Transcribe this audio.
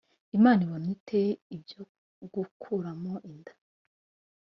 imana ibona ite ibyo gukuramo inda